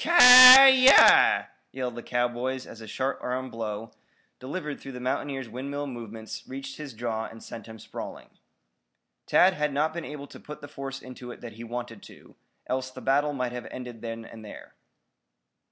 "Ki yi!" yelled the cowboys as a short arm blow, delivered through the mountaineer's windmill movements, reached his jaw and sent him sprawling. Tad had not been able to put the force into it that he wanted to, else the battle might have ended then and there.